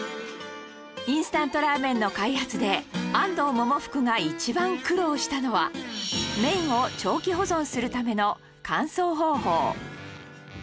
インスタントラーメンの開発で安藤百福が一番苦労したのは麺を長期保存するための乾燥方法